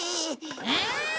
えっ！